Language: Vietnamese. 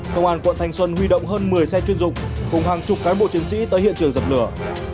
công an quận thanh xuân huy động hơn một mươi xe chuyên dụng cùng hàng chục cán bộ chiến sĩ tới hiện trường dập lửa